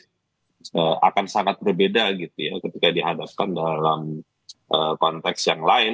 jadi saya pikir itu akan sangat berbeda gitu ya ketika dihadapkan dalam konteks yang lain